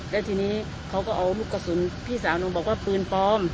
แล้วทีนี้เขาก็เอาลูกกระสุนพี่สาวหนูบอกว่าปืนปลอม